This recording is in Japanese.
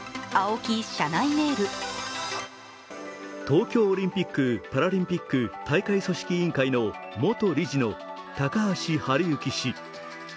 東京オリンピック・パラリンピック大会組織委員会の元理事の高橋治之氏。